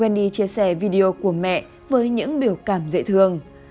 meni chia sẻ video của mẹ với những biểu cảm dễ thương